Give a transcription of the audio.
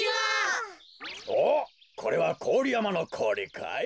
おっこれはこおりやまのこおりかい？